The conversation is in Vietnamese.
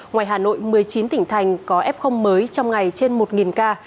ngoài hà nội một mươi chín tỉnh thành có f mới trong ngày trên một ca